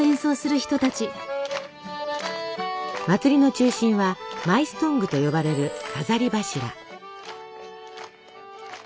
祭りの中心はマイストングと呼ばれる飾り柱。